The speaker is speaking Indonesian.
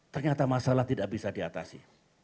ternyata masalah tidak bisa diatasi